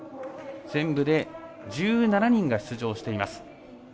全部で１７人が出場しています。